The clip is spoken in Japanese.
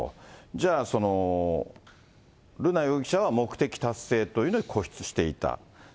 じゃあ、瑠奈容疑者は目的達成というのに固執していた。